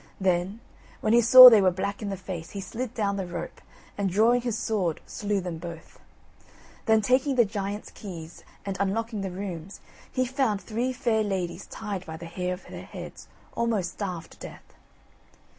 Then, when he saw they were black in the face, he slid down the rope, and drawing his sword, slew them both. Then, taking the giant's keys, and unlocking the rooms, he found three fair ladies tied by the hair of their heads, almost starved to death.